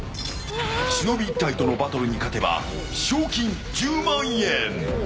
忍１体とのバトルに勝てば賞金１０万円。